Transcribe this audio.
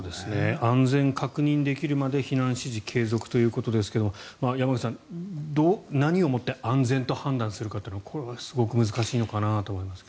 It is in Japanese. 安全確認できるまで避難指示継続ということですが山口さん、何をもって安全と判断するかっていうのはこれはすごく難しいのかなと思いますが。